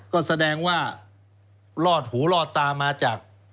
ก็แสดงว่ารอดหูลอดตามาจาก